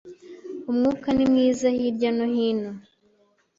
Umwuka ni mwiza hirya no hino.